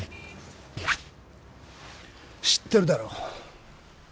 知ってるだろ。